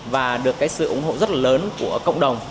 và được sự ủng hộ rất là lớn của cộng đồng